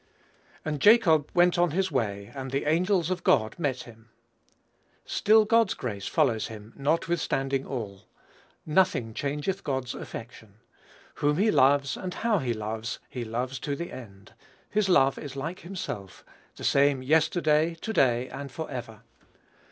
"And Jacob went on his way, and the angels of God met him." Still God's grace follows him, notwithstanding all. "Nothing changeth God's affection." Whom he loves, and how he loves, he loves to the end. His love is like himself, "the same yesterday, to day, and forever."